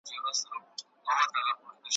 چي له بازه به ورک لوری د یرغل سو `